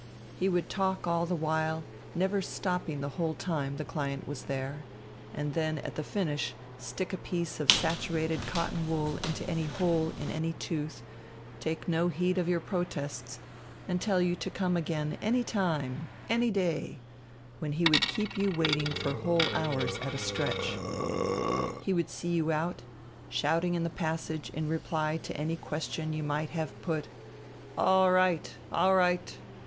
He would talk all the while, never stopping the whole time the client was there ; and then at the finish stick a piece of saturated cotton wool into any hole in any tooth, take no heed of your protests, and tell you to come again any time, any day — when he would keep you waiting for whole hours at a stretch. He would see you out, shouting in the passage in reply to any question you might have put :" Orright ! Orright